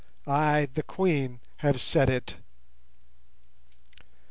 I, the Queen, have said it."